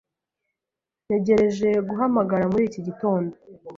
Ntegereje guhamagara muri iki gitondo.